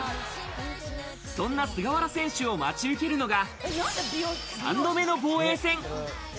そんな菅原選手を待ち受けるのが、３度目の防衛戦。